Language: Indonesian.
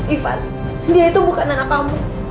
ivan dia itu bukan anak kamu